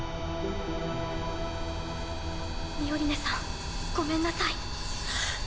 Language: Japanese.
ミオリネさんごめんなさい。